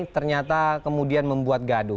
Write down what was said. ternyata kemudian membuat gaduh